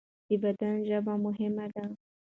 د بدن ژبه مهمه ده.